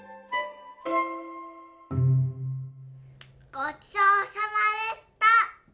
ごちそうさまでした。